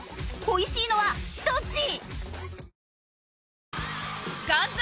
美味しいのはどっち！？